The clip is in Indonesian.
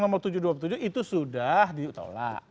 nomor tujuh ratus dua puluh tujuh itu sudah ditolak